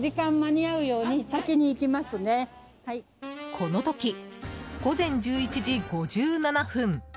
この時、午前１１時５７分。